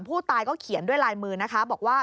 ผู้ตายก็เขียนด้วยลายมือนะคะบอกว่า